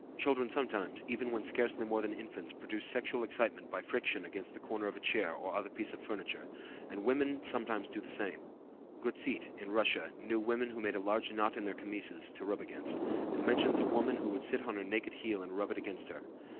Children sometimes, even when scarcely more than infants, produce sexual excitement by friction against the corner of a chair or other piece of furniture, and women sometimes do the same. Guttceit, in Russia, knew women who made a large knot in their chemises to rub against, and mentions a woman who would sit on her naked heel and rub it against her.